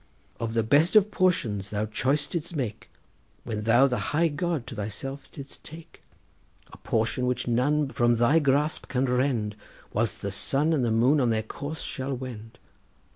Of the best of portions thou choice didst make When thou the high God to thyself didst take, A portion which none from thy grasp can rend Whilst the sun and the moon on their course shall wend.